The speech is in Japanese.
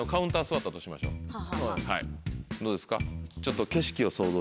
どうですか？